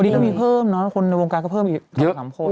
พอดีต้องมีเพิ่มนะคนในวงการก็เพิ่มอีก๓๓คน